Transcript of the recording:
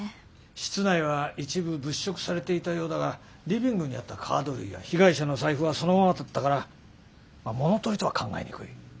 室内は一部物色されていたようだがリビングにあったカード類や被害者の財布はそのままだったから物取りとは考えにくい。